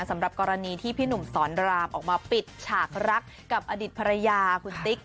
สำหรับกรณีที่พี่หนุ่มสอนรามออกมาปิดฉากรักกับอดีตภรรยาคุณติ๊ก